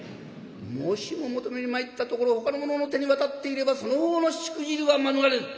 もしも求めに参ったところほかの者の手に渡っていればその方のしくじりは免れぬ。